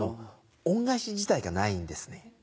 恩返し自体がないんですね。